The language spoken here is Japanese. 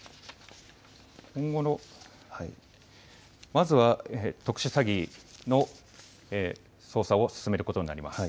まずは特殊詐欺の捜査を進めることになります。